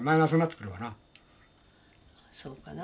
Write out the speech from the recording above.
そうかなぁ。